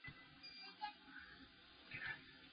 五月雨面會烏